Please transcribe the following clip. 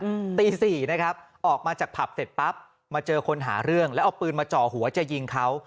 อืมตีสี่นะครับออกมาจากผับเสร็จปั๊บมาเจอคนหาเรื่องแล้วเอาปืนมาจ่อหัวจะยิงเขา